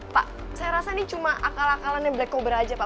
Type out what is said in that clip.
pak saya rasa ini cuma akal akalannya black kober aja pak